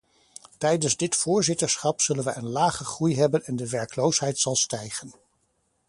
Tijdens dit voorzitterschap zullen wij een lage groei hebben en de werkloosheid zal stijgen.